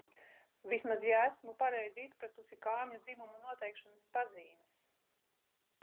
Vismaz, ja esmu pareizi izpratusi kāmju dzimuma noteikšanas pazīmes...